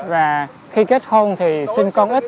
và khi kết hôn thì sinh con ít